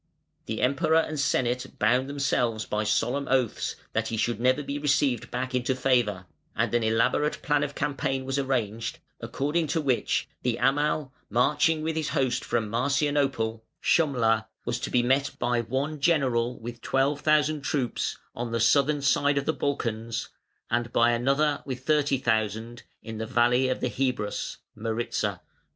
The Emperor and Senate bound themselves by solemn oaths that he should never be received back into favour, and an elaborate plan of campaign was arranged, according to which the Amal marching with his host from Marcianople, (Shumla) was to be met by one general with twelve thousand troops, on the southern side of the Balkans, and by another with thirty thousand in the valley of the Hebrus (Maritza).